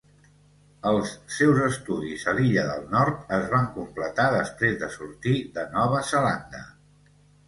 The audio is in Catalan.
Els seus estudis a l'illa del Nord es van completar després de sortir de Nova Zelanda.